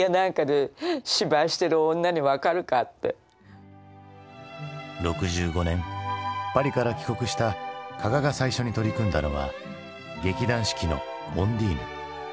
そんな６５年パリから帰国した加賀が最初に取り組んだのは劇団四季の「オンディーヌ」。